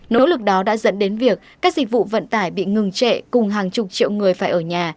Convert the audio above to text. nỗ lực đó đã dẫn đến việc các dịch vụ vận tải bị ngừng trệ cùng hàng chục triệu người phải ở nhà